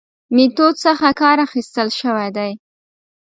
میتود څخه کار اخستل شوی دی.